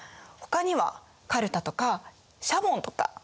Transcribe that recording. ほかにはカルタとかシャボンとか。